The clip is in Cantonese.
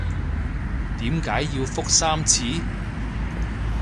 點解要覆三次？